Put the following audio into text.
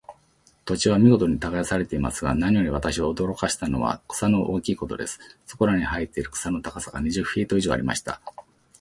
土地は見事に耕されていますが、何より私を驚かしたのは、草の大きいことです。そこらに生えている草の高さが、二十フィート以上ありました。